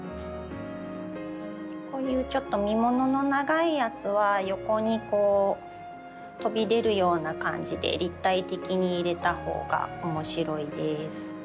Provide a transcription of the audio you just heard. こういうちょっと実ものの長いやつは横にこう飛び出るような感じで立体的に入れたほうが面白いです。